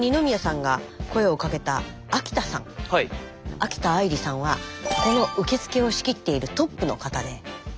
秋田愛梨さんはこの受付を仕切っているトップの方で。